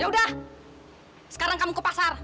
ya udah sekarang kamu ke pasar